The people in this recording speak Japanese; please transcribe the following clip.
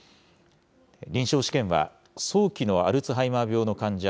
臨床試験は、早期のアルツハイマー病の患者